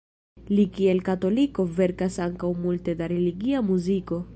Li kiel katoliko verkas ankaŭ multe da religia muziko.